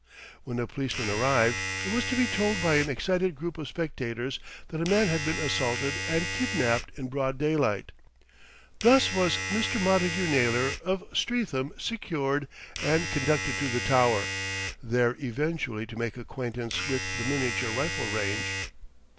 When a policeman arrived, it was to be told by an excited group of spectators that a man had been assaulted and kidnapped in broad daylight. Thus was Mr. Montagu Naylor of Streatham secured and conducted to the Tower, there eventually to make acquaintance with the miniature rifle range.